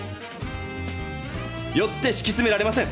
よってしきつめられません。